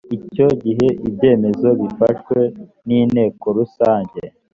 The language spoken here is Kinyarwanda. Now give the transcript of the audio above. icyo gihe ibyemezo bifashwe n inteko rusange